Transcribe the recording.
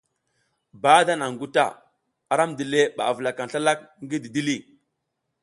Bahada naŋ guta, aram dile ɓa avulakaŋ slalak ngi didili.